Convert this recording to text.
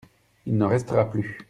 Il n’en restera plus !